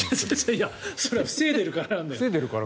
いや、それは防いでるからなんだよ。